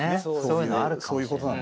そういうことなんだろうね。